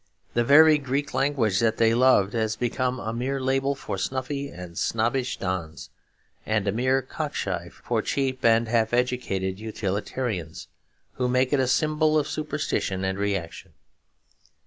The very Greek language that they loved has become a mere label for snuffy and snobbish dons, and a mere cock shy for cheap and half educated utilitarians, who make it a symbol of superstition and reaction.